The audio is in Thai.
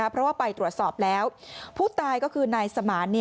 เพราะว่าไปตรวจสอบแล้วผู้ตายก็คือนายสมาน